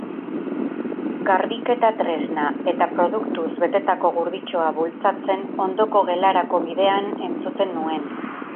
Garbiketa tresna eta produktuz betetako gurditxoa bultzatzen ondoko gelarako bidean entzuten nuen.